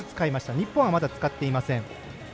日本は使っていません。